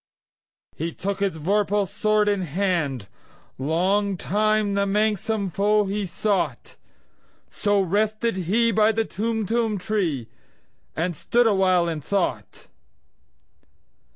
He took his vorpal sword in hand:Long time the manxome foe he sought—So rested he by the Tumtum tree, And stood awhile in thought.